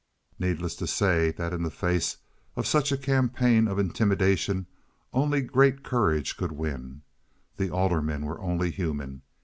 Needless to say that in the face of such a campaign of intimidation only great courage could win. The aldermen were only human.